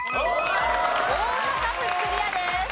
大阪府クリアです。